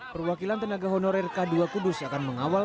perwakilan tenaga honorer k dua kudus akan mengawal